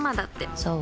そう？